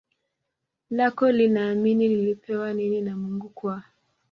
lako linaamini lilipewa nini na Mungu kwa